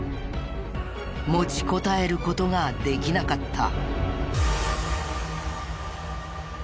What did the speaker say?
持ちこたえる事ができなかった。